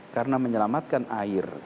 karena menyelamatkan air